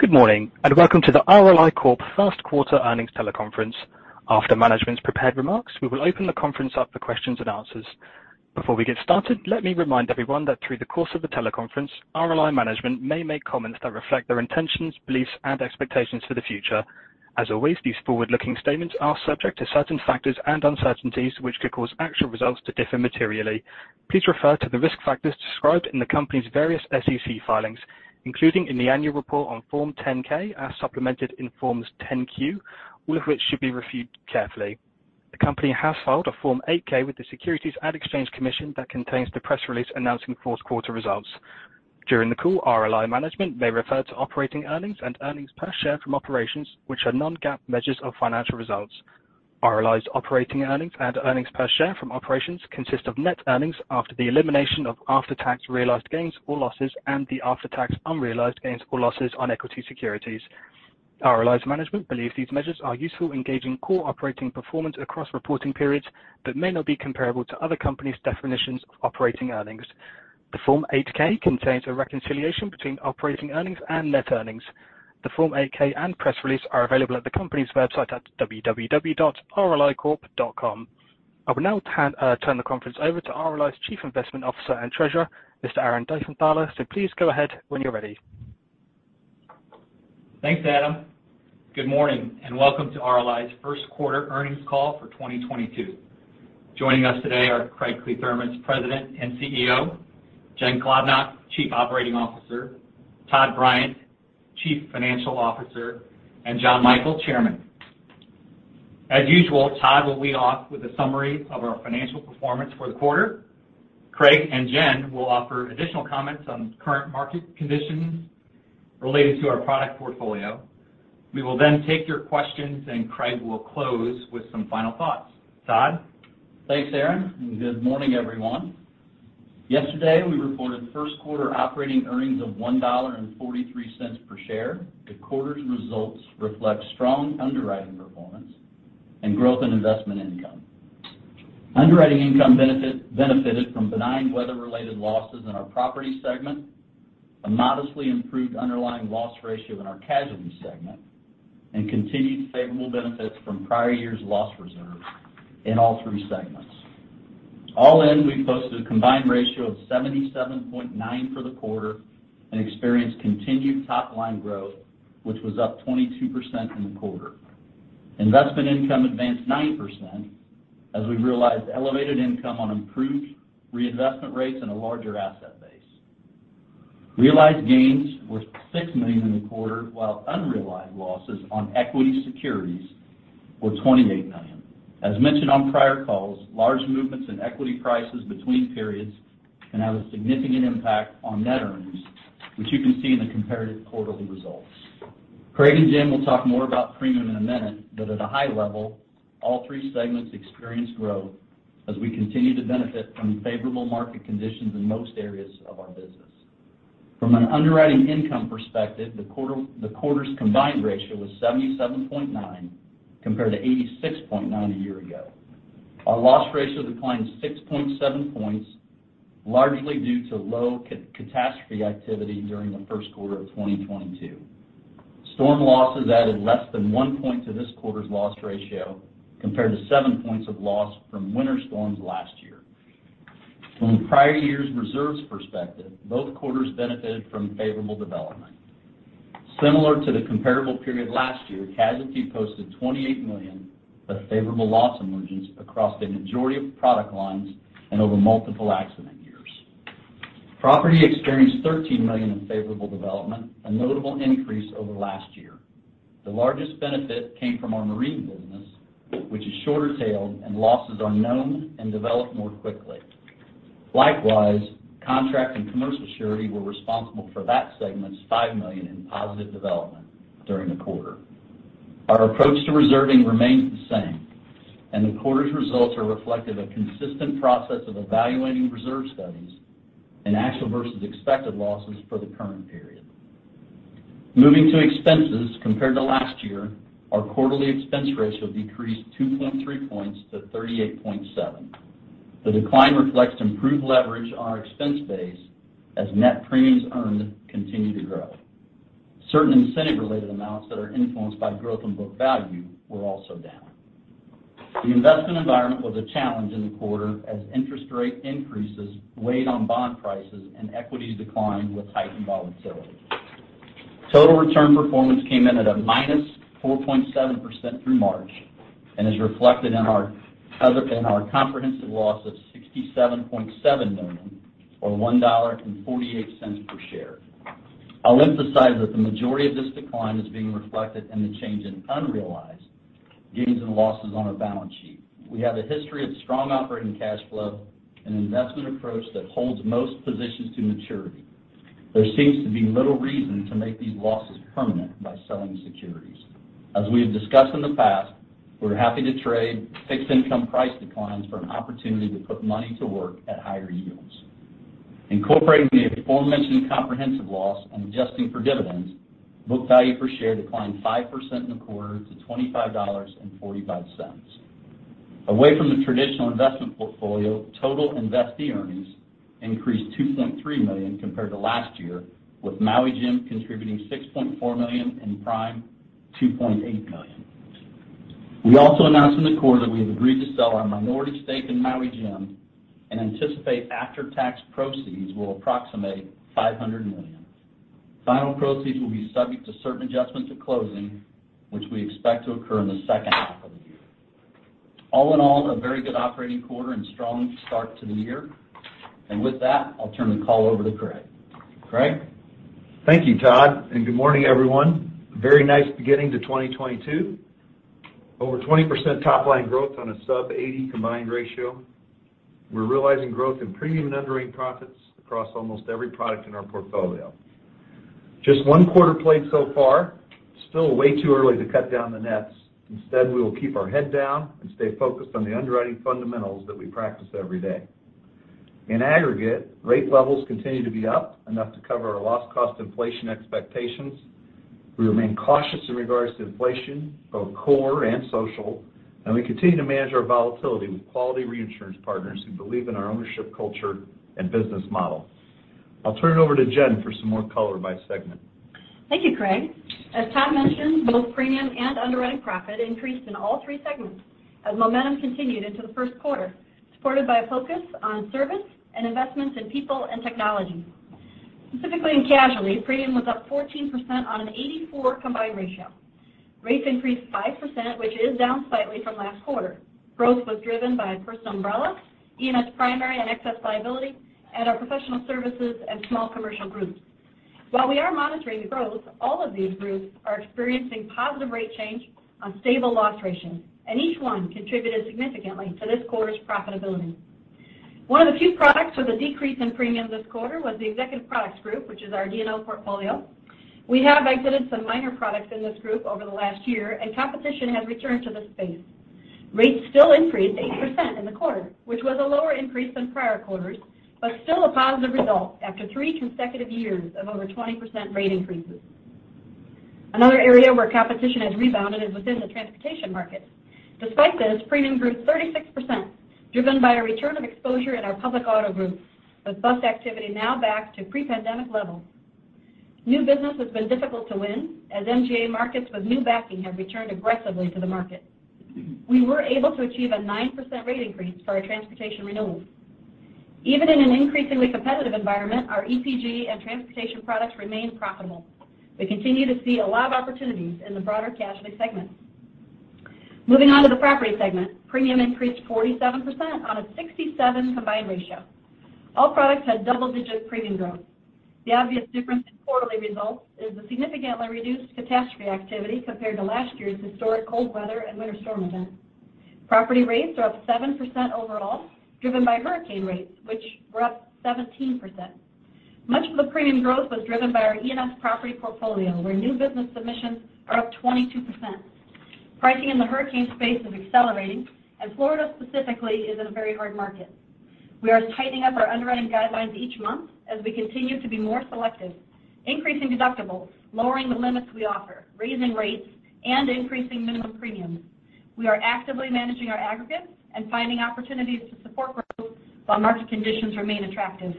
Good morning, and welcome to the RLI Corp. first quarter earnings teleconference. After management's prepared remarks, we will open the conference up for questions and answers. Before we get started, let me remind everyone that through the course of the teleconference, RLI management may make comments that reflect their intentions, beliefs, and expectations for the future. As always, these forward-looking statements are subject to certain factors and uncertainties, which could cause actual results to differ materially. Please refer to the risk factors described in the company's various SEC filings, including in the annual report on Form 10-K, as supplemented in Forms 10-Q, all of which should be reviewed carefully. The company has filed a Form 8-K with the Securities and Exchange Commission that contains the press release announcing the first quarter results. During the call, RLI management may refer to operating earnings and earnings per share from operations which are non-GAAP measures of financial results. RLI's operating earnings and earnings per share from operations consist of net earnings after the elimination of after-tax realized gains or losses and the after-tax unrealized gains or losses on equity securities. RLI's management believes these measures are useful in gauging core operating performance across reporting periods that may not be comparable to other companies' definitions of operating earnings. The Form 8-K contains a reconciliation between operating earnings and net earnings. The Form 8-K and press release are available at the company's website at www.rlicorp.com. I will now turn the conference over to RLI's Chief Investment Officer and Treasurer, Mr. Aaron Diefenthaler. Please go ahead when you're ready. Thanks, Adam. Good morning, and welcome to RLI's first quarter earnings call for 2022. Joining us today are Craig Kliethermes, President and CEO, Jen Klobnak, Chief Operating Officer, Todd Bryant, Chief Financial Officer, and Jonathan Michael, Chairman. As usual, Todd will lead off with a summary of our financial performance for the quarter. Craig and Jen will offer additional comments on current market conditions related to our product portfolio. We will then take your questions, and Craig will close with some final thoughts. Todd? Thanks, Aaron, and good morning, everyone. Yesterday, we reported first quarter operating earnings of $1.43 per share. The quarter's results reflect strong underwriting performance and growth in investment income. Underwriting income benefited from benign weather-related losses in our property segment, a modestly improved underlying loss ratio in our casualty segment, and continued favorable benefits from prior years' loss reserve in all three segments. All in, we posted a combined ratio of 77.9% for the quarter and experienced continued top-line growth, which was up 22% in the quarter. Investment income advanced 9% as we realized elevated income on improved reinvestment rates and a larger asset base. Realized gains were $6 million in the quarter, while unrealized losses on equity securities were $28 million. As mentioned on prior calls, large movements in equity prices between periods can have a significant impact on net earnings, which you can see in the comparative quarterly results. Craig and Jen will talk more about premium in a minute, but at a high level, all three segments experienced growth as we continue to benefit from favorable market conditions in most areas of our business. From an underwriting income perspective, the quarter's combined ratio was 77.9%, compared to 86.9% a year ago. Our loss ratio declined 6.7 points, largely due to low catastrophe activity during the first quarter of 2022. Storm losses added less than 1 point to this quarter's loss ratio, compared to 7 points of loss from winter storms last year. From the prior year's reserves perspective, both quarters benefited from favorable development. Similar to the comparable period last year, Casualty posted $28 million of favorable loss emergence across a majority of product lines and over multiple accident years. Property experienced $13 million in favorable development, a notable increase over last year. The largest benefit came from our marine business, which is shorter tailed, and losses are known and develop more quickly. Likewise, Contract and Commercial Surety were responsible for that segment's $5 million in positive development during the quarter. Our approach to reserving remains the same, and the quarter's results are reflective of consistent process of evaluating reserve studies and actual versus expected losses for the current period. Moving to expenses, compared to last year, our quarterly expense ratio decreased 2.3 points to 38.7%. The decline reflects improved leverage on our expense base as net premiums earned continue to grow. Certain incentive-related amounts that are influenced by growth in book value were also down. The investment environment was a challenge in the quarter as interest rate increases weighed on bond prices and equity declined with heightened volatility. Total return performance came in at -4.7% through March and is reflected in our other comprehensive loss of $67.7 million or $1.48 per share. I'll emphasize that the majority of this decline is being reflected in the change in unrealized gains and losses on our balance sheet. We have a history of strong operating cash flow and an investment approach that holds most positions to maturity. There seems to be little reason to make these losses permanent by selling securities. As we have discussed in the past, we're happy to trade fixed income price declines for an opportunity to put money to work at higher yields. Incorporating the aforementioned comprehensive loss and adjusting for dividends, book value per share declined 5% in the quarter to $25.45. Away from the traditional investment portfolio, total investee earnings increased $2.3 million compared to last year, with Maui Jim contributing $6.4 million and Prime $2.8 million. We also announced in the quarter that we have agreed to sell our minority stake in Maui Jim and anticipate after-tax proceeds will approximate $500 million. Final proceeds will be subject to certain adjustments at closing, which we expect to occur in the second half of the year. All in all, a very good operating quarter and strong start to the year. With that, I'll turn the call over to Craig. Craig? Thank you, Todd, and good morning, everyone. Very nice beginning to 2022. Over 20% top-line growth on a sub 80 combined ratio. We're realizing growth in premium and underwriting profits across almost every product in our portfolio. Just one quarter played so far. Still way too early to cut down the nets. Instead, we will keep our head down and stay focused on the underwriting fundamentals that we practice every day. In aggregate, rate levels continue to be up, enough to cover our loss cost inflation expectations. We remain cautious in regards to inflation, both core and social, and we continue to manage our volatility with quality reinsurance partners who believe in our ownership culture and business model. I'll turn it over to Jen for some more color by segment. Thank you, Craig. As Todd mentioned, both premium and underwriting profit increased in all three segments as momentum continued into the first quarter, supported by a focus on Service and Investments in People and Technology. Specifically in casualty, premium was up 14% on an 84 combined ratio. Rates increased 5%, which is down slightly from last quarter. Growth was driven by Personal Umbrella, E&S Primary and Excess Liability, and our professional services and small commercial groups. While we are monitoring growth, all of these groups are experiencing positive rate change on stable loss ratios, and each one contributed significantly to this quarter's profitability. One of the few products with a decrease in premium this quarter was the Executive Products Group, which is our D&O portfolio. We have exited some minor products in this group over the last year and competition has returned to the space. Rates still increased 8% in the quarter, which was a lower increase than prior quarters, but still a positive result after three consecutive years of over 20% rate increases. Another area where competition has rebounded is within the transportation market. Despite this, premium grew 36%, driven by a return of exposure in our public auto group, with bus activity now back to pre-pandemic levels. New business has been difficult to win, as MGA markets with new backing have returned aggressively to the market. We were able to achieve a 9% rate increase for our transportation renewals. Even in an increasingly competitive environment, our EPG and transportation products remain profitable. We continue to see a lot of opportunities in the broader casualty segment. Moving on to the property segment, premium increased 47% on a 67 combined ratio. All products had double-digit premium growth. The obvious difference in quarterly results is the significantly reduced catastrophe activity compared to last year's historic cold weather and winter storm event. Property rates are up 7% overall, driven by hurricane rates, which were up 17%. Much of the premium growth was driven by our E&S property portfolio, where new business submissions are up 22%. Pricing in the hurricane space is accelerating and Florida specifically is in a very hard market. We are tightening up our underwriting guidelines each month as we continue to be more selective, increasing deductibles, lowering the limits we offer, raising rates, and increasing minimum premiums. We are actively managing our aggregates and finding opportunities to support growth while market conditions remain attractive.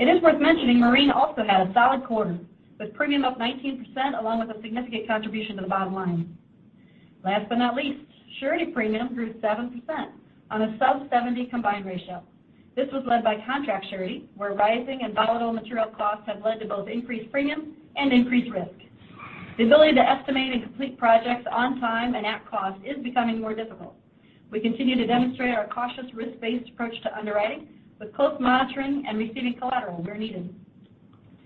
It is worth mentioning Marine also had a solid quarter, with premium up 19% along with a significant contribution to the bottom line. Last but not least, Surety premium grew 7% on a sub 70 combined ratio. This was led by Contract Surety, where rising and volatile material costs have led to both increased premium and increased risk. The ability to estimate and complete projects on time and at cost is becoming more difficult. We continue to demonstrate our cautious risk-based approach to underwriting with close monitoring and receiving collateral where needed.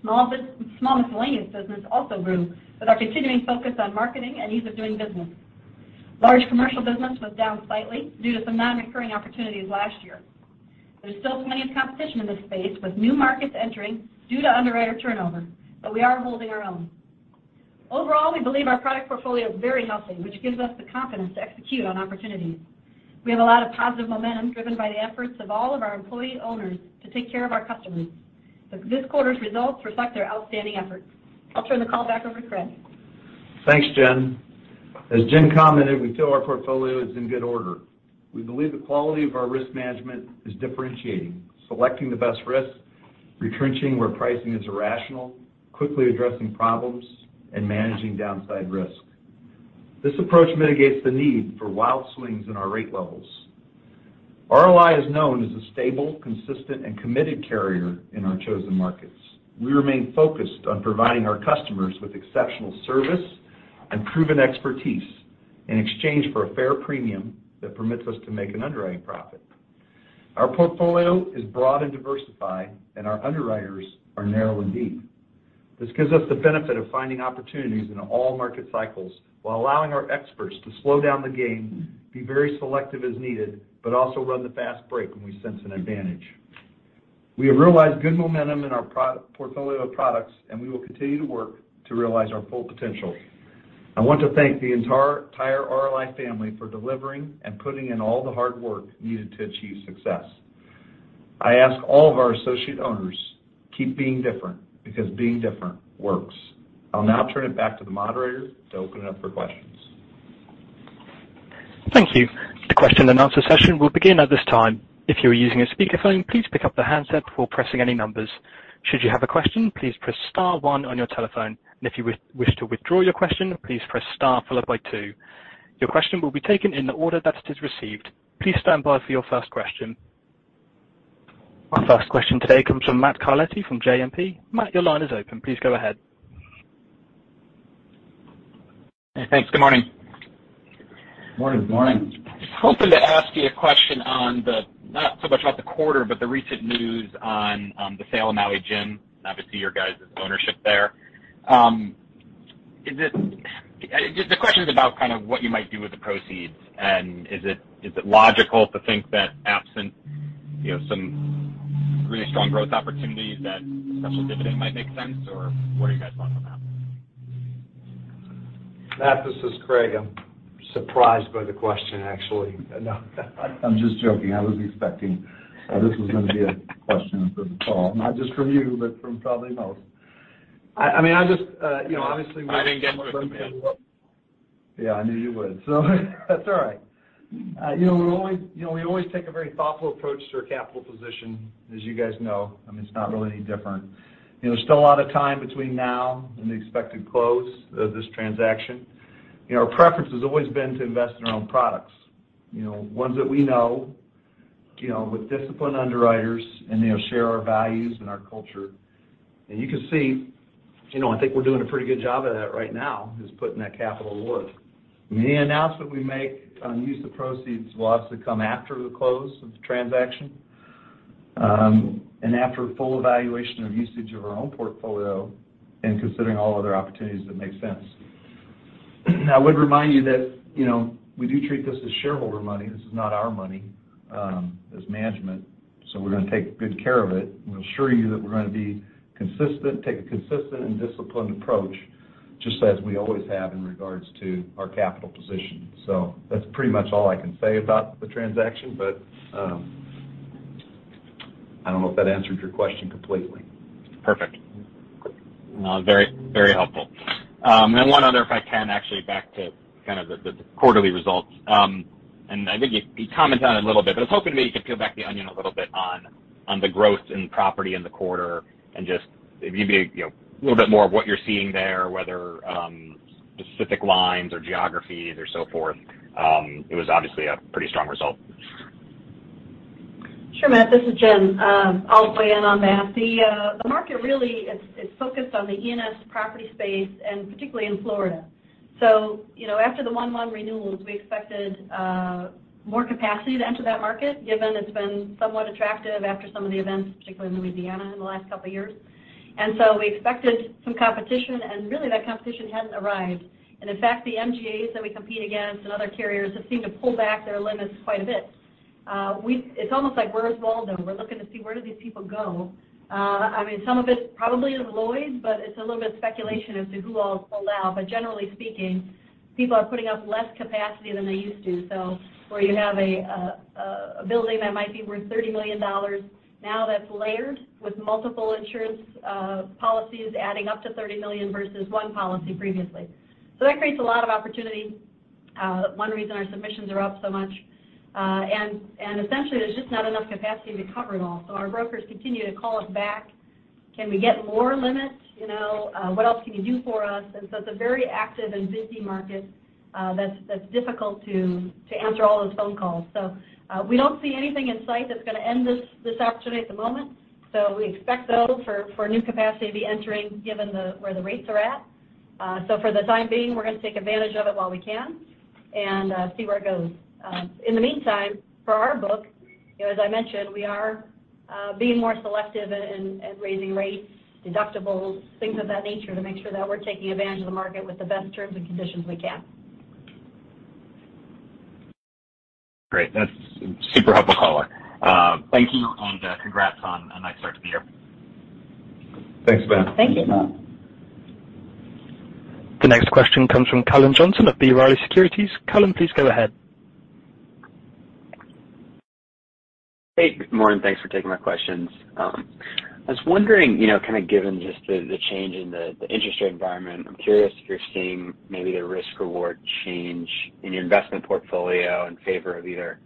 Small miscellaneous business also grew with our continuing focus on marketing and ease of doing business. Large commercial business was down slightly due to some non-recurring opportunities last year. There's still plenty of competition in this space with new markets entering due to underwriter turnover, but we are holding our own. Overall, we believe our product portfolio is very healthy, which gives us the confidence to execute on opportunities. We have a lot of positive momentum driven by the efforts of all of our employee owners to take care of our customers. This quarter's results reflect their outstanding efforts. I'll turn the call back over to Craig. Thanks, Jen. As Jen commented, we feel our portfolio is in good order. We believe the quality of our risk management is differentiating, selecting the best risks, retrenching where pricing is irrational, quickly addressing problems, and managing downside risk. This approach mitigates the need for wild swings in our rate levels. RLI is known as a stable, consistent, and committed carrier in our chosen markets. We remain focused on providing our customers with exceptional service and proven expertise in exchange for a fair premium that permits us to make an underwriting profit. Our portfolio is broad and diversified, and our underwriters are narrow and deep. This gives us the benefit of finding opportunities in all market cycles while allowing our experts to slow down the game, be very selective as needed, but also run the fast break when we sense an advantage. We have realized good momentum in our portfolio of products, and we will continue to work to realize our full potential. I want to thank the entire RLI family for delivering and putting in all the hard work needed to achieve success. I ask all of our associate owners, keep being different because being different works. I'll now turn it back to the moderator to open it up for questions. Thank you. The question and answer session will begin at this time. If you are using a speakerphone, please pick up the handset before pressing any numbers. Should you have a question, please press star one on your telephone. If you wish to withdraw your question, please press star followed by two. Your question will be taken in the order that it is received. Please stand by for your first question. Our first question today comes from Matt Carletti from JMP. Matt, your line is open. Please go ahead. Hey, thanks. Good morning. Morning. Morning. Hoping to ask you a question not so much about the quarter, but the recent news on the sale of Maui Jim, obviously your guys' ownership there. The question is about kind of what you might do with the proceeds. Is it logical to think that absent, you know, some really strong growth opportunities that a special dividend might make sense, or what are you guys thinking on that? Matt, this is Craig. I'm surprised by the question, actually. No, I'm just joking. I was expecting this was gonna be a question for the call, not just from you, but from probably most. I mean, I just, you know, obviously- Yeah, I knew you would. That's all right. You know, we always take a very thoughtful approach to our capital position, as you guys know. I mean, it's not really any different. You know, there's still a lot of time between now and the expected close of this transaction. You know, our preference has always been to invest in our own products, you know, ones that we know, you know, with disciplined underwriters, and they'll share our values and our culture. You can see, you know, I think we're doing a pretty good job of that right now, putting that capital to work. Any announcement we make on use of proceeds will obviously come after the close of the transaction, and after full evaluation of usage of our own portfolio and considering all other opportunities that make sense. I would remind you that, you know, we do treat this as shareholder money. This is not our money, as management, so we're going to take good care of it. We assure you that we're gonna be consistent, take a consistent and disciplined approach, just as we always have in regards to our capital position. That's pretty much all I can say about the transaction, but, I don't know if that answered your question completely. Perfect. No, very, very helpful. One other, if I can actually back to kind of the quarterly results. I think you commented on it a little bit, but I was hoping that you could peel back the onion a little bit on the growth in property in the quarter and just if you'd be, you know, a little bit more of what you're seeing there, whether specific lines or geographies or so forth. It was obviously a pretty strong result. Sure, Matt, this is Jen. I'll weigh in on that. The market really is focused on the E&S property space and particularly in Florida. You know, after the one-month renewals, we expected more capacity to enter that market, given it's been somewhat attractive after some of the events, particularly in Louisiana in the last couple of years. We expected some competition, and really that competition hasn't arrived. In fact, the MGAs that we compete against and other carriers have seemed to pull back their limits quite a bit. It's almost like, where's Waldo? We're looking to see where did these people go. I mean, some of it probably is Lloyd's, but it's a little bit of speculation as to who all is pulled out. Generally speaking, people are putting up less capacity than they used to. Where you have a building that might be worth $30 million, now that's layered with multiple insurance policies adding up to $30 million versus one policy previously. That creates a lot of opportunity, one reason our submissions are up so much. Essentially, there's just not enough capacity to cover it all. Our brokers continue to call us back. Can we get more limits? You know, what else can you do for us? It's a very active and busy market, that's difficult to answer all those phone calls. We don't see anything in sight that's going to end this opportunity at the moment. We expect, though, for new capacity to be entering given where the rates are at. For the time being, we're gonna take advantage of it while we can and see where it goes. In the meantime, for our book, you know, as I mentioned, we are being more selective and raising rates, deductibles, things of that nature to make sure that we're taking advantage of the market with the best terms and conditions we can. Great. That's super helpful. Thank you, and congrats on a nice start to the year. Thanks, Matt. Thank you. The next question comes from Cullen Johnson of B. Riley Securities. Cullen, please go ahead. Hey, good morning. Thanks for taking my questions. I was wondering, you know, kind of given just the change in the interest rate environment, I'm curious if you're seeing maybe the risk/reward change in your investment portfolio in favor of either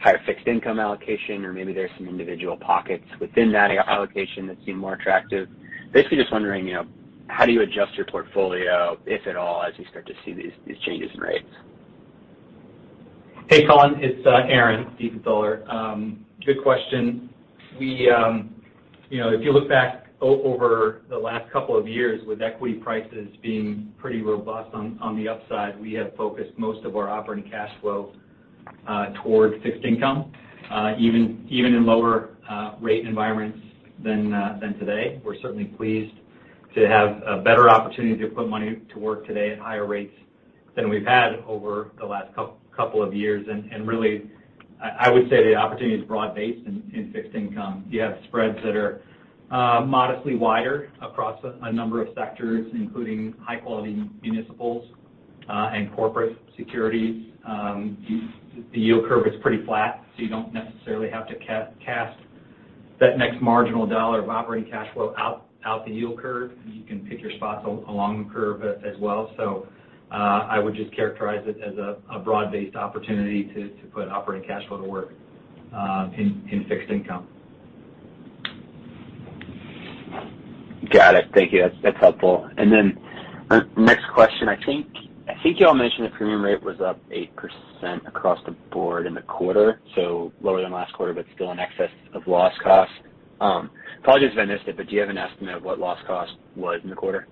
higher fixed income allocation or maybe there's some individual pockets within that allocation that seem more attractive. Basically, just wondering, you know, how do you adjust your portfolio, if at all, as you start to see these changes in rates? Hey, Cullen. It's Aaron Diefenthaler. Good question. You know, if you look back over the last couple of years with equity prices being pretty robust on the upside, we have focused most of our operating cash flow towards fixed income, even in lower rate environments than today. We're certainly pleased to have a better opportunity to put money to work today at higher rates than we've had over the last couple of years. Really, I would say the opportunity is broad-based in fixed income. You have spreads that are modestly wider across a number of sectors, including high-quality municipals. Corporate securities, the yield curve is pretty flat, so you don't necessarily have to cast that next marginal dollar of operating cash flow out the yield curve. You can pick your spots along the curve as well. I would just characterize it as a broad-based opportunity to put operating cash flow to work in fixed income. Got it. Thank you. That's helpful. Next question, I think y'all mentioned the premium rate was up 8% across the board in the quarter, so lower than last quarter but still in excess of loss cost. Apologies if I missed it, but do you have an estimate of what loss cost was in the quarter?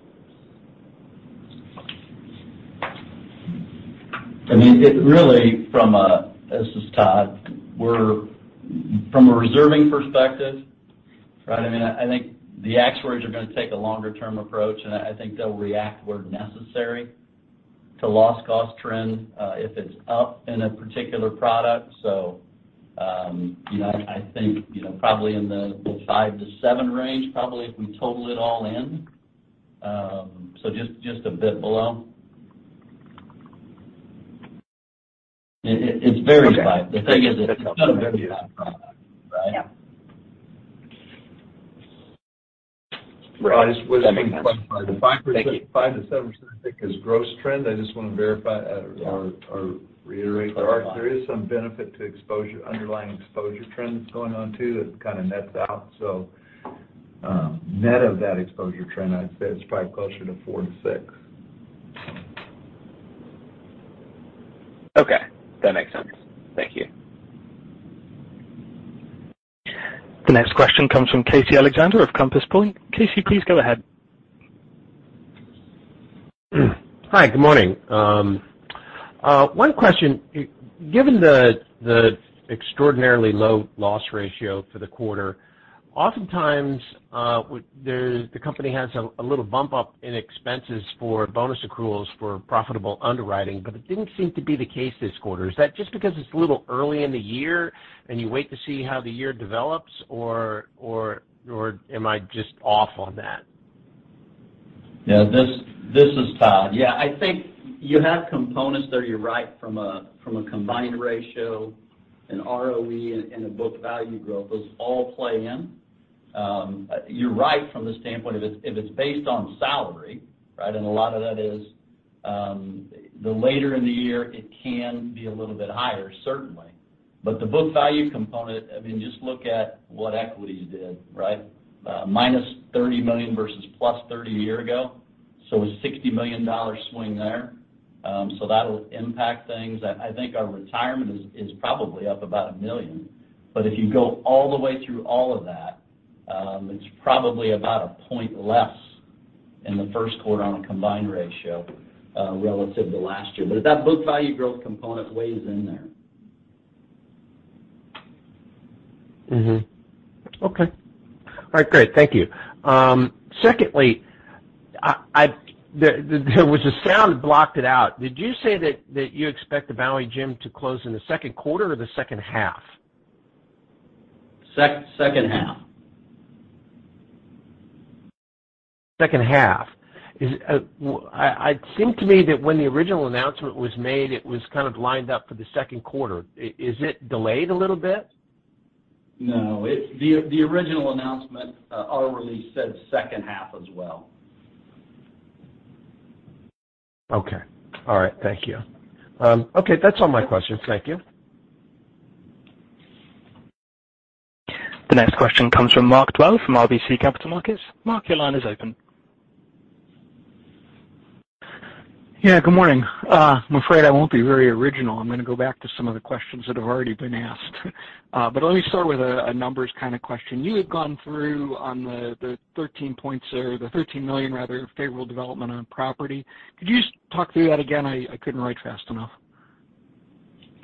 This is Todd. We're from a reserving perspective, right? I mean, I think the actuaries are gonna take a longer-term approach, and I think they'll react where necessary to loss cost trend, if it's up in a particular product. So, you know, I think, you know, probably in the 5%-7% range, probably if we total it all in. So just a bit below. It varies by- Okay. The thing is it's product, right? Yeah. Right. 5%-7%, I think, is gross trend. I just want to verify or reiterate that there is some benefit to exposure, underlying exposure trends going on too. It kind of nets out. Net of that exposure trend, I'd say it's probably closer to 4%-6%. Okay. That makes sense. Thank you. The next question comes from Casey Alexander of Compass Point. Casey, please go ahead. Hi. Good morning. One question. Given the extraordinarily low loss ratio for the quarter, oftentimes the company has a little bump up in expenses for bonus accruals for profitable underwriting, but it didn't seem to be the case this quarter. Is that just because it's a little early in the year, and you wait to see how the year develops or am I just off on that? Yeah, this is Todd. Yeah, I think you have components there. You're right from a combined ratio, an ROE, and a book value growth. Those all play in. You're right from the standpoint of it, if it's based on salary, right? A lot of that is, the later in the year it can be a little bit higher, certainly. The book value component, I mean, just look at what equities did, right? -$30 million versus +$30 million a year ago, so a $60 million swing there. So that'll impact things. I think our retirement is probably up about $1 million. If you go all the way through all of that, it's probably about a point less in the first quarter on a combined ratio relative to last year. That book value growth component weighs in there. Okay. All right. Great. Thank you. Secondly, there was a sound that blocked it out. Did you say that you expect the Maui Jim to close in the second quarter or the second half? Second half. Second half. It seemed to me that when the original announcement was made, it was kind of lined up for the second quarter. Is it delayed a little bit? No. The original announcement already said second half as well. Okay. All right. Thank you. Okay. That's all my questions. Thank you. The next question comes from Mark Dwelle from RBC Capital Markets. Mark, your line is open. Yeah, good morning. I'm afraid I won't be very original. I'm gonna go back to some of the questions that have already been asked. Let me start with a numbers kind of question. You had gone through on the 13 points or the $13 million rather, favorable development on property. Could you just talk through that again? I couldn't write fast enough.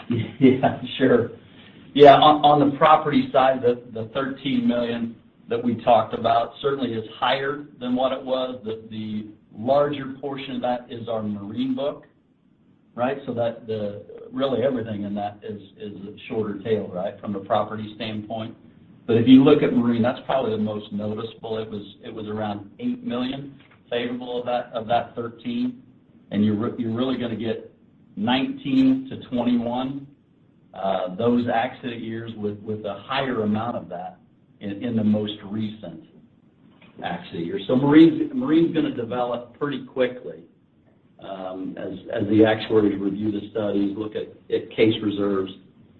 Yeah, sure. Yeah, on the property side, the $13 million that we talked about certainly is higher than what it was. The larger portion of that is our marine book, right? Really everything in that is a shorter tail, right, from the property standpoint. If you look at marine, that's probably the most noticeable. It was around $8 million favorable of that $13 million. You're really gonna get 19-21 those accident years with a higher amount of that in the most recent accident year. Marine's gonna develop pretty quickly, as the actuaries review the studies, look at case reserves,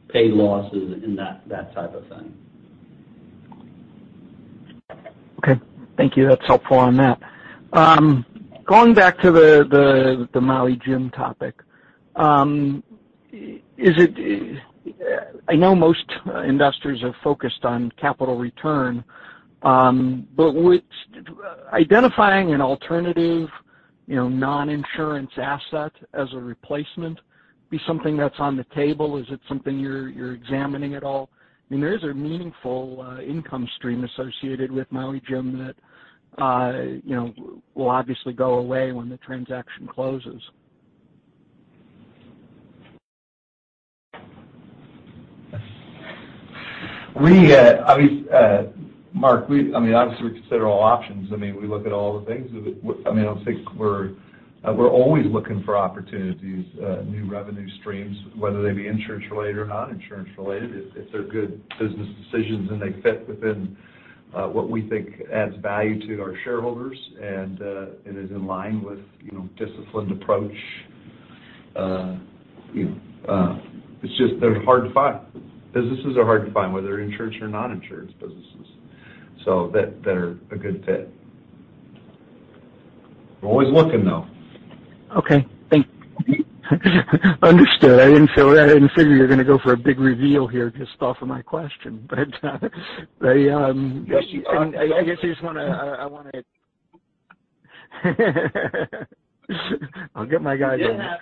paid losses, and that type of thing. Okay. Thank you. That's helpful on that. Going back to the Maui Jim topic, I know most investors are focused on capital return, but would identifying an alternative, you know, non-insurance asset as a replacement be something that's on the table? Is it something you're examining at all? I mean, there is a meaningful income stream associated with Maui Jim that, you know, will obviously go away when the transaction closes. Mark, I mean, obviously we consider all options. I mean, we look at all the things. I mean, I don't think we're always looking for opportunities, new revenue streams, whether they be insurance-related or non-insurance related. If they're good business decisions and they fit within what we think adds value to our shareholders and it is in line with you know, disciplined approach, you know, it's just they're hard to find. Businesses are hard to find, whether they're insurance or non-insurance businesses, so that they're a good fit. We're always looking, though. Okay. Thank you. Understood. I didn't figure you're gonna go for a big reveal here just off of my question, but I guess I just wanna. I'll get my guy to-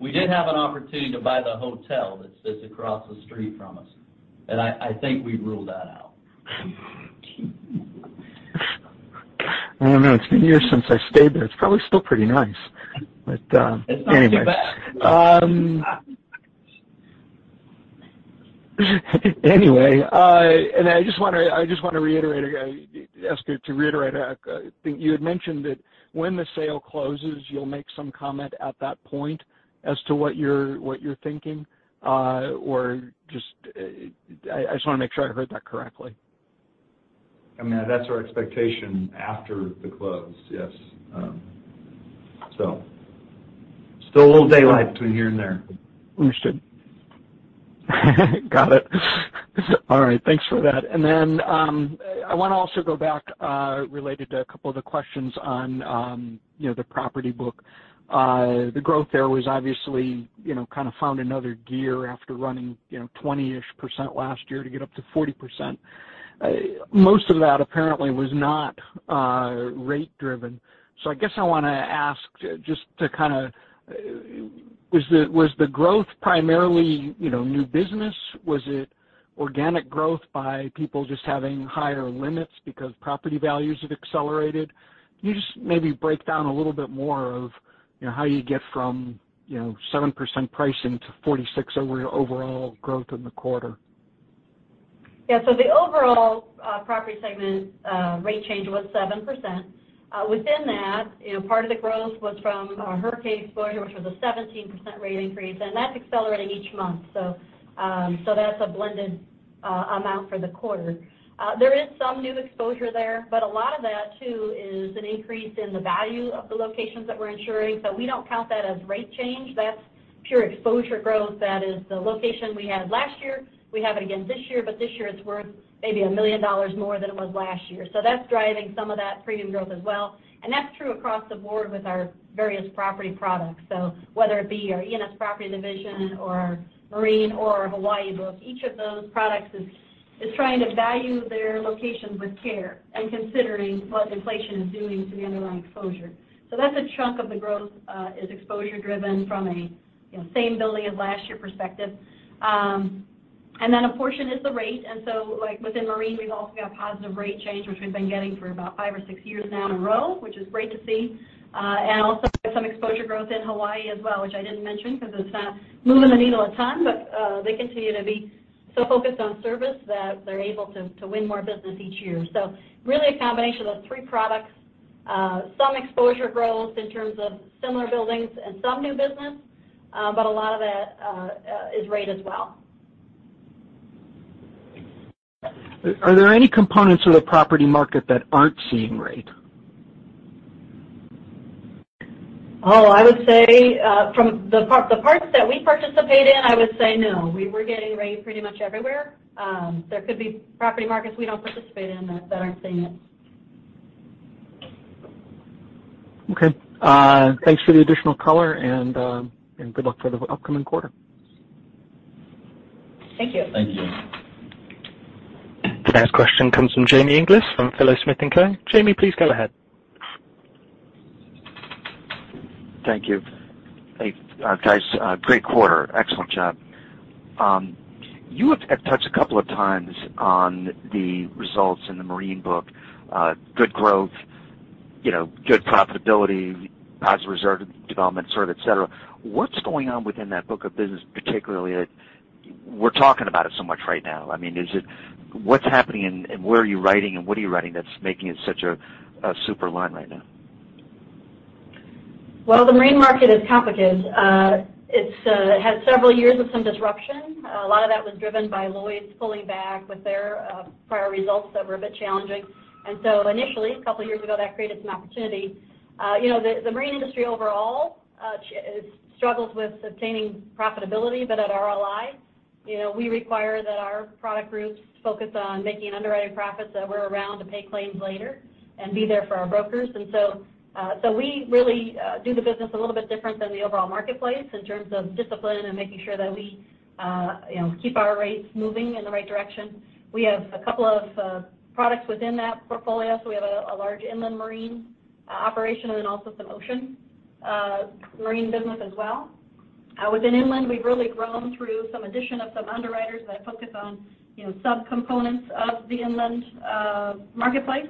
We did have an opportunity to buy the hotel that sits across the street from us, and I think we ruled that out. I don't know. It's been years since I stayed there. It's probably still pretty nice. Anyway. It's not too bad. Anyway, I just wanna ask you to reiterate you had mentioned that when the sale closes, you'll make some comment at that point as to what you're thinking, or just I just wanna make sure I heard that correctly. I mean, that's our expectation after the close. Yes. Still a little daylight between here and there. Understood. Got it. All right. Thanks for that. I wanna also go back, related to a couple of the questions on, you know, the property book. The growth there was obviously, you know, kind of found another gear after running, you know, 20-ish% last year to get up to 40%. Most of that apparently was not rate driven. I guess I wanna ask just to kinda, was the growth primarily, you know, new business? Was it organic growth by people just having higher limits because property values have accelerated? Can you just maybe break down a little bit more of, you know, how you get from, you know, 7% pricing to 46% over your overall growth in the quarter? Yeah. The overall Property segment rate change was 7%. Within that, you know, part of the growth was from our hurricane exposure, which was a 17% rate increase, and that's accelerating each month. That's a blended amount for the quarter. There is some new exposure there, but a lot of that too is an increase in the value of the locations that we're insuring. We don't count that as rate change. That's pure exposure growth. That is the location we had last year. We have it again this year, but this year it's worth maybe $1 million more than it was last year. That's driving some of that premium growth as well. That's true across the board with our various Property products. Whether it be our E&S property division or marine or Hawaii book, each of those products is trying to value their locations with care and considering what inflation is doing to the underlying exposure. That's a chunk of the growth is exposure driven from a you know same building as last year perspective. Then a portion is the rate. Like within marine, we've also got positive rate change, which we've been getting for about five or six years now in a row, which is great to see. Also some exposure growth in Hawaii as well, which I didn't mention because it's not moving the needle a ton, but they continue to be so focused on service that they're able to to win more business each year. Really a combination of three products, some exposure growth in terms of similar buildings and some new business. A lot of that is rate as well. Are there any components of the property market that aren't seeing rate? Oh, I would say from the parts that we participate in, I would say no. We were getting rate pretty much everywhere. There could be property markets we don't participate in that aren't seeing it. Okay. Thanks for the additional color and good luck for the upcoming quarter. Thank you. Thank you. The next question comes from Jamie Inglis from Philo Smith & Co. Jamie, please go ahead. Thank you. Hey, guys, great quarter. Excellent job. You have touched a couple of times on the results in the marine book, good growth, you know, good profitability, positive reserve development sort of, et cetera. What's going on within that book of business particularly that we're talking about it so much right now? I mean, what's happening and where are you writing and what are you writing that's making it such a super line right now? Well, the marine market is complicated. It's had several years of some disruption. A lot of that was driven by Lloyd's pulling back with their prior results that were a bit challenging. Initially, a couple of years ago, that created some opportunity. You know, the marine industry overall struggles with obtaining profitability. At RLI, you know, we require that our product groups focus on making underwriting profits so that we're around to pay claims later and be there for our brokers. We really do the business a little bit different than the overall marketplace in terms of discipline and making sure that we, you know, keep our rates moving in the right direction. We have a couple of products within that portfolio. We have a large inland marine operation and then also some ocean marine business as well. Within inland, we've really grown through some addition of some underwriters that focus on, you know, subcomponents of the inland marketplace.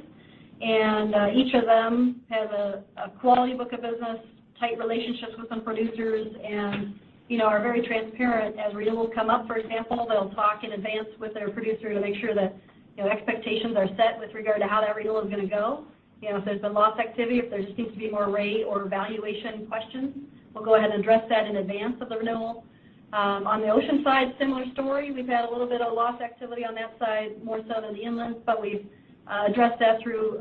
Each of them have a quality book of business, tight relationships with some producers, and you know, are very transparent. As renewals come up, for example, they'll talk in advance with their producer to make sure that, you know, expectations are set with regard to how that renewal is gonna go. You know, if there's been loss activity, if there seems to be more rate or valuation questions, we'll go ahead and address that in advance of the renewal. On the ocean side, similar story. We've had a little bit of loss activity on that side, more so than the inland, but we've addressed that through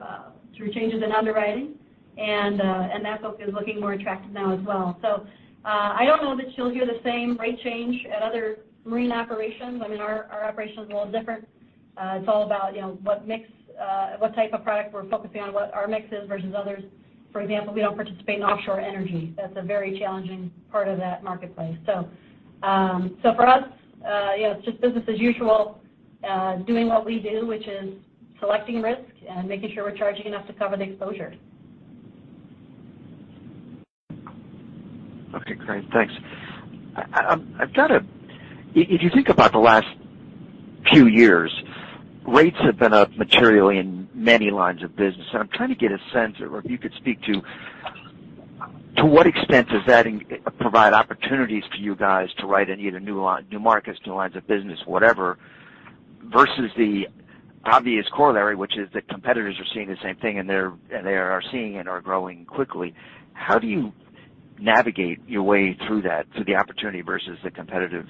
changes in underwriting, and that book is looking more attractive now as well. I don't know that you'll hear the same rate change at other marine operations. I mean, our operation is a little different. It's all about, you know, what mix, what type of product we're focusing on, what our mix is versus others. For example, we don't participate in offshore energy. That's a very challenging part of that marketplace. For us, you know, it's just business as usual, doing what we do, which is selecting risk and making sure we're charging enough to cover the exposure. Okay, great. Thanks. I've got a question. If you think about the last few years, rates have been up materially in many lines of business, and I'm trying to get a sense, or if you could speak to what extent does that provide opportunities to you guys to write in either new markets, new lines of business, whatever, versus the obvious corollary, which is that competitors are seeing the same thing, and they're seeing and are growing quickly. How do you navigate your way through that to the opportunity versus the competitive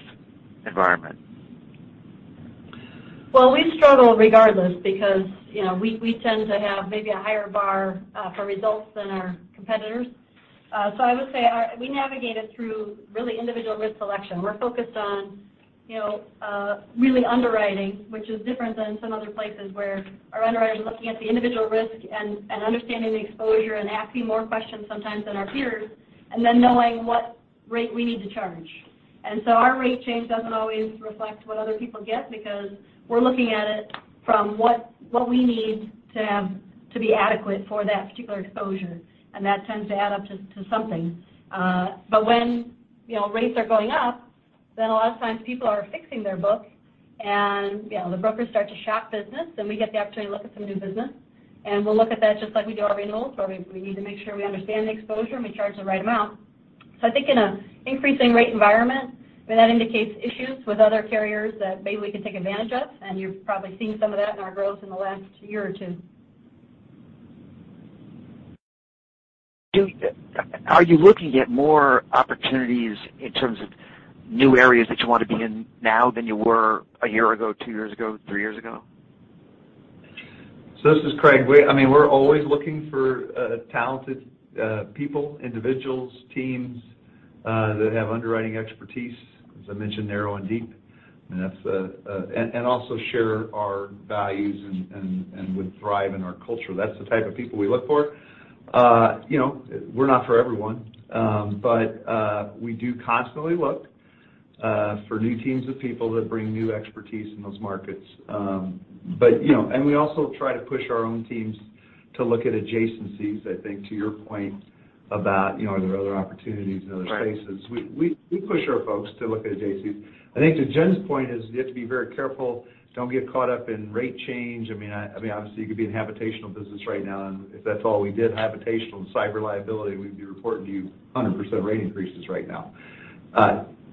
environment? Well, we struggle regardless because, you know, we tend to have maybe a higher bar for results than our competitors. I would say we navigate it through really individual risk selection. We're focused on, you know, really underwriting, which is different than some other places where our underwriters are looking at the individual risk and understanding the exposure and asking more questions sometimes than our peers, and then knowing what rate we need to charge. Our rate change doesn't always reflect what other people get because we're looking at it from what we need to have to be adequate for that particular exposure, and that tends to add up to something. when, you know, rates are going up, then a lot of times people are fixing their book, and, you know, the brokers start to shop business, then we get the opportunity to look at some new business. We'll look at that just like we do our renewals, where we need to make sure we understand the exposure, and we charge the right amount. I think in an increasing rate environment, when that indicates issues with other carriers that maybe we can take advantage of, and you've probably seen some of that in our growth in the last year or two. Are you looking at more opportunities in terms of new areas that you want to be in now than you were a year ago, two years ago, three years ago? This is Craig. I mean, we're always looking for talented people, individuals, teams that have underwriting expertise. As I mentioned, narrow and deep. Also share our values and would thrive in our culture. That's the type of people we look for. You know, we're not for everyone, but we do constantly look for new teams of people that bring new expertise in those markets. You know, and we also try to push our own teams to look at adjacencies. I think to your point about you know, are there other opportunities in other spaces. We push our folks to look at adjacencies. I think to Jen's point is you have to be very careful. Don't get caught up in rate change. I mean, obviously, you could be in habitational business right now, and if that's all we did, habitational and cyber liability, we'd be reporting to you 100% rate increases right now.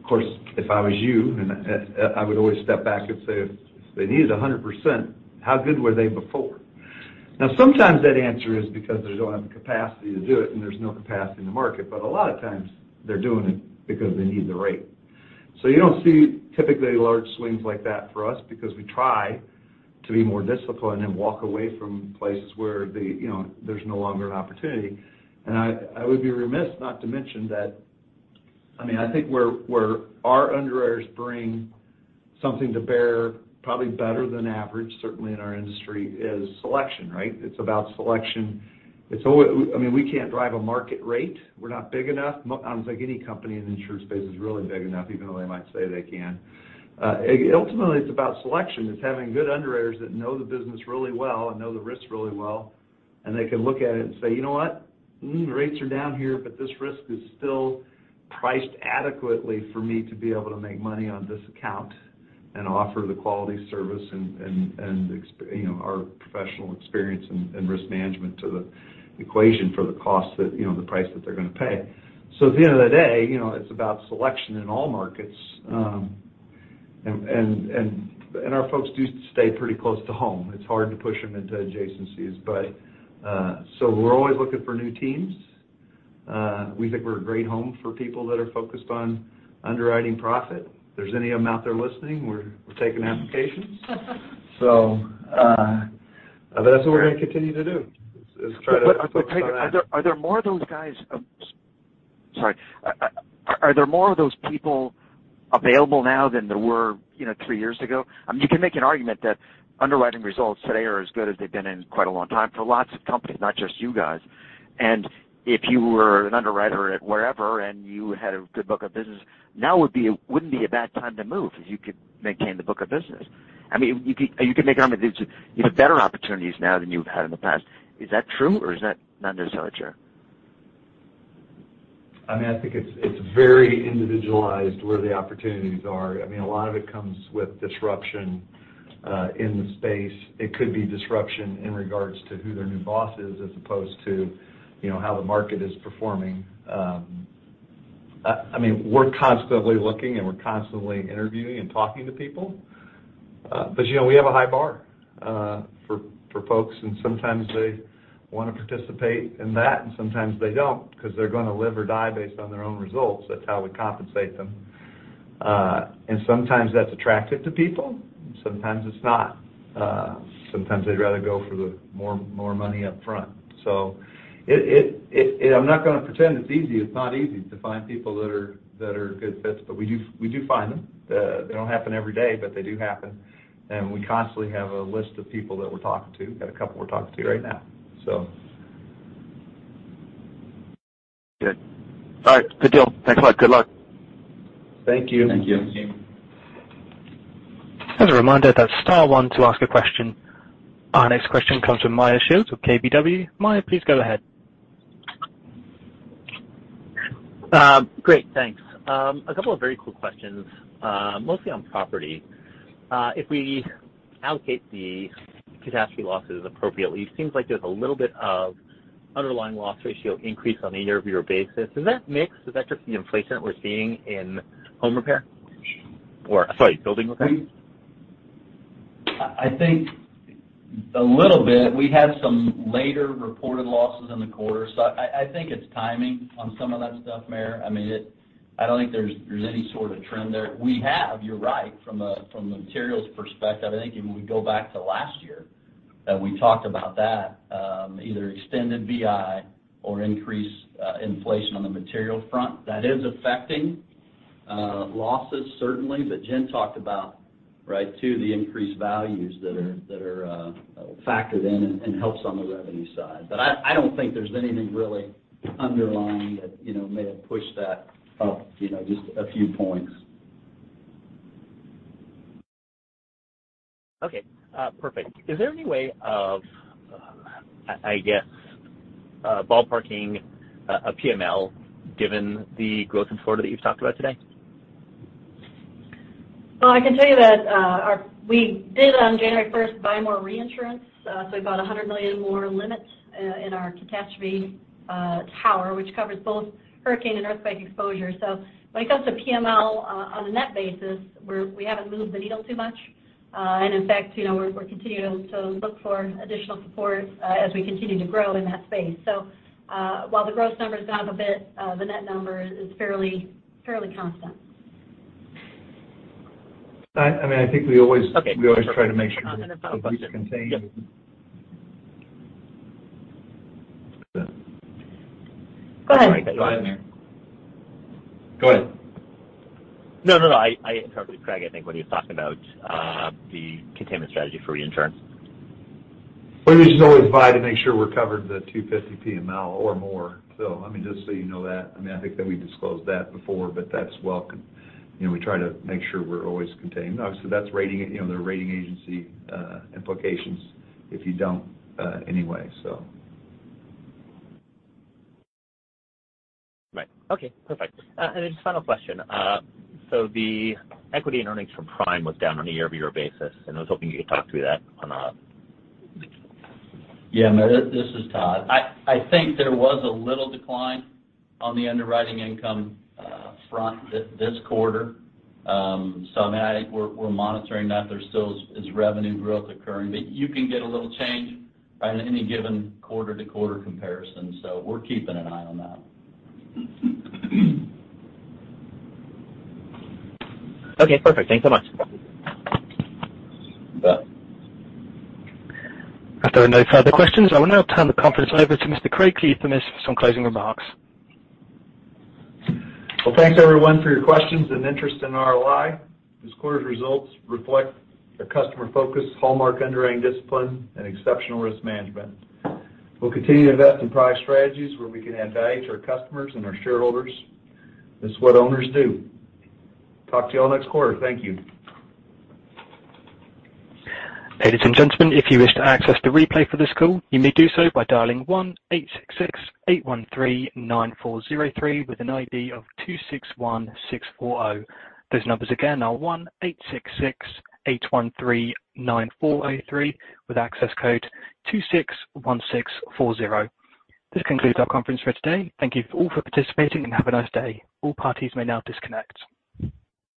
Of course, if I was you, I would always step back and say, if they needed a 100%, how good were they before? Now, sometimes that answer is because they don't have the capacity to do it, and there's no capacity in the market. A lot of times they're doing it because they need the rate. You don't see typically large swings like that for us because we try to be more disciplined and walk away from places where the, you know, there's no longer an opportunity. I would be remiss not to mention that. I mean, I think where our underwriters bring something to bear probably better than average, certainly in our industry, is selection, right? It's about selection. It's always. I mean, we can't drive a market rate. We're not big enough. I don't think any company in the insurance space is really big enough, even though they might say they can. Ultimately, it's about selection. It's having good underwriters that know the business really well and know the risks really well, and they can look at it and say, "You know what? Rates are down here, but this risk is still priced adequately for me to be able to make money on this account and offer the quality service and you know, our professional experience in risk management to the equation for the cost that, you know, the price that they're gonna pay." At the end of the day, you know, it's about selection in all markets. Our folks do stay pretty close to home. It's hard to push them into adjacencies, but we're always looking for new teams. We think we're a great home for people that are focused on underwriting profit. If there's any of them out there listening, we're taking applications. That's what we're gonna continue to do, is try to focus on that. Are there more of those guys? Sorry. Are there more of those people available now than there were, you know, three years ago? I mean, you can make an argument that underwriting results today are as good as they've been in quite a long time for lots of companies, not just you guys. If you were an underwriter at wherever and you had a good book of business, now wouldn't be a bad time to move, 'cause you could maintain the book of business. I mean, you could make an argument it's even better opportunities now than you've had in the past. Is that true, or is that not necessarily true? I mean, I think it's very individualized where the opportunities are. I mean, a lot of it comes with disruption in the space. It could be disruption in regards to who their new boss is as opposed to, you know, how the market is performing. I mean, we're constantly looking, and we're constantly interviewing and talking to people. You know, we have a high bar for folks, and sometimes they wanna participate in that, and sometimes they don't, 'cause they're gonna live or die based on their own results. That's how we compensate them. Sometimes that's attractive to people, and sometimes it's not. Sometimes they'd rather go for the more money up front. I'm not gonna pretend it's easy. It's not easy to find people that are good fits, but we do find them. They don't happen every day, but they do happen. We constantly have a list of people that we're talking to. Got a couple we're talking to right now. Good. All right. Good deal. Thanks a lot. Good luck. Thank you. Thank you. As a reminder, that's star one to ask a question. Our next question comes from Meyer Shields with KBW. Meyer, please go ahead. Great. Thanks. A couple of very quick questions, mostly on property. If we allocate the catastrophe losses appropriately, it seems like there's a little bit of underlying loss ratio increase on a year-over-year basis. Is that mixed? Is that just the inflation we're seeing in home repair? Or sorry, building repair. I think a little bit we had some later reported losses in the quarter. I think it's timing on some of that stuff, Meyer. I mean, I don't think there's any sort of trend there. We have, you're right, from a materials perspective, I think even if we go back to last year, that we talked about that, either extended BI or increased inflation on the material front. That is affecting losses, certainly, but Jen talked about right to the increased values that are factored in and helps on the revenue side. I don't think there's anything really underlying that, you know, may have pushed that up, you know, just a few points. Okay. Perfect. Is there any way of, I guess, ballparking a PML given the growth in Florida that you've talked about today? Well, I can tell you that we did on January first buy more reinsurance. We bought $100 million more limits in our catastrophe tower, which covers both hurricane and earthquake exposure. When it comes to PML on a net basis, we haven't moved the needle too much. In fact, you know, we're continuing to look for additional support as we continue to grow in that space. While the gross number is up a bit, the net number is fairly constant. I mean, I think we always Okay. We always try to make sure contained. Yeah. Go ahead. No, no. I interrupted Craig, I think, when he was talking about the containment strategy for reinsurance. Well, we just always buy to make sure we're covered the 250 PML or more. I mean, just so you know that. I mean, I think that we disclosed that before, but that's welcome. You know, we try to make sure we're always contained. Obviously, that's rating, you know, the rating agency implications if you don't. Anyway, so. Right. Okay, perfect. Just final question. The equity and earnings from Prime was down on a year-over-year basis, and I was hoping you could talk through that on a... No, this is Todd. I think there was a little decline on the underwriting income front this quarter. I mean, I think we're monitoring that. There still is revenue growth occurring. You can get a little change by any given quarter-to-quarter comparison. We're keeping an eye on that. Okay, perfect. Thanks so much. If there are no further questions, I will now turn the conference over to Mr. Craig Kliethermes for some closing remarks. Well, thanks everyone for your questions and interest in RLI. This quarter's results reflect a customer focus hallmark underwriting discipline and exceptional risk management. We'll continue to invest in product strategies where we can add value to our customers and our shareholders. This is what owners do. Talk to you all next quarter. Thank you. This concludes our conference for today. Thank you all for participating and have a nice day. All parties may now disconnect.